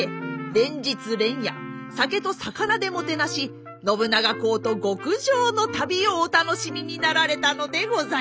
連日連夜酒と肴でもてなし信長公と極上の旅をお楽しみになられたのでございます。